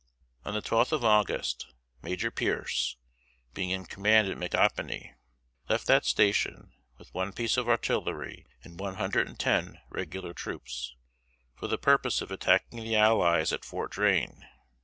On the twelfth of August, Major Pearce, being in command at Micanopy, left that station, with one piece of artillery and one hundred and ten regular troops, for the purpose of attacking the allies at Fort Drane.